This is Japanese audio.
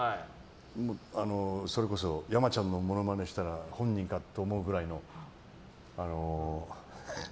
それこそ山ちゃんのモノマネしたら本人かって思うくらいの。